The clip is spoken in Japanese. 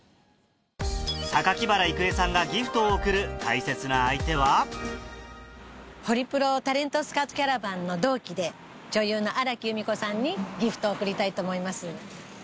榊原郁恵さんがギフトを贈る大切な相手はホリプロタレントスカウトキャラバンの同期で女優の荒木由美子さんにギフトを贈りたいと思います。